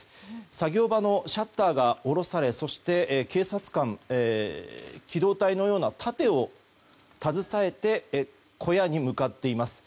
作業場のシャッターが下ろされそして警察官が機動隊のような盾を携えて小屋に向かっています。